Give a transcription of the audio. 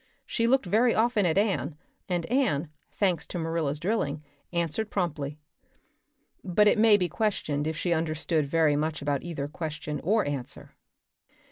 She looked very often at Anne, and Anne, thanks to Marilla's drilling, answered promptly; but it may be questioned if she understood very much about either question or answer.